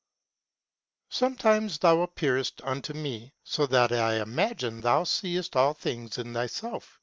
Sometimes thou appeared on to mee, fo that I imagine thou feeft all things in thy feife.